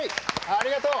ありがとう！